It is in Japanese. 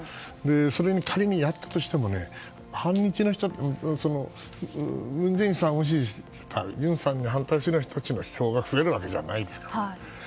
それに、仮にやったとしてもね文在寅さんを支持していたような尹さんに反対する人たちの票が増えるわけじゃないですから。